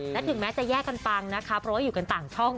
และถึงแม้จะแยกกันปังนะคะเพราะว่าอยู่กันต่างช่อง